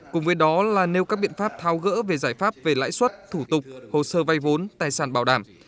cùng với đó là nêu các biện pháp tháo gỡ về giải pháp về lãi suất thủ tục hồ sơ vay vốn tài sản bảo đảm